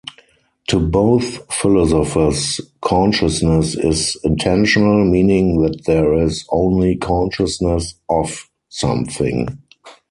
To both philosophers, consciousness is intentional, meaning that there is only consciousness "of" something.